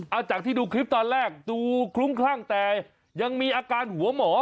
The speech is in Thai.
เอาจากที่ดูคลิปตอนแรกดูคลุ้มคลั่งแต่ยังมีอาการหัวหมอ